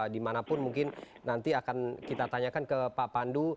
dimanapun mungkin nanti akan kita tanyakan ke pak pandu